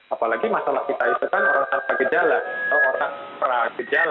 apalagi masalah kita itu kan orang orang pragejala